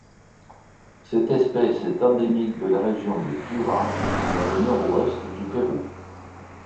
Cette espèce est endémique de la région de Piura dans le Nord-Ouest du Pérou.